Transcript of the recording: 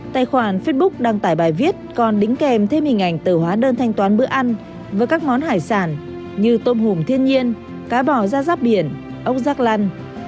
tài khoản facebook đăng tải bài viết còn đính kèm thêm hình ảnh từ hóa đơn thanh toán bữa ăn với các món hải sản như tôm hùm thiên nhiên cá bò ra giáp biển ốc rác lăn